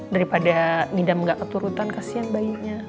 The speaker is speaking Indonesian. daripada ngidam gak keturutan kasihan bayinya